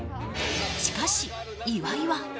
しかし、岩井は。